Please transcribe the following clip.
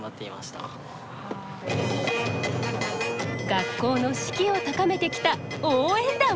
学校の士気を高めてきた応援団。